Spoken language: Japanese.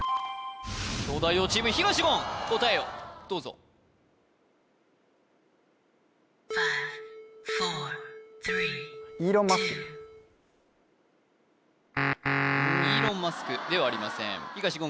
東大王チーム東言答えをどうぞイーロン・マスクではありません東言